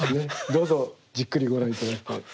どうぞじっくりご覧頂いて。